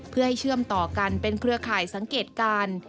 เพื่อให้เชื่อมต่อกันเป็นเครือข่ายสังเกตการ